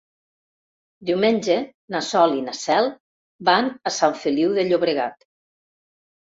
Diumenge na Sol i na Cel van a Sant Feliu de Llobregat.